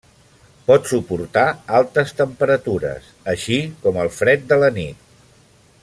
Pot suportar altes temperatures, així com el fred de la nit.